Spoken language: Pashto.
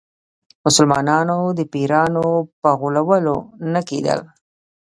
مسلمانانو د پیرانو په غولولو نه کېدل.